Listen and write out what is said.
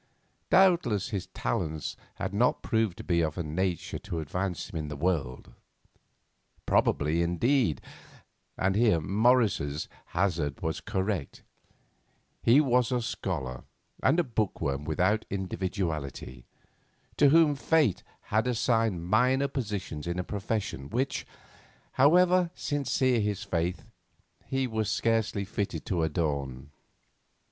Doubtless his talents had not proved to be of a nature to advance him in the world. Probably, indeed—and here Morris's hazard was correct—he was a scholar and a bookworm without individuality, to whom fate had assigned minor positions in a profession, which, however sincere his faith, he was scarcely fitted to adorn.